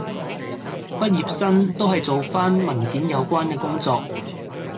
畢業生都係做返文件有關嘅工作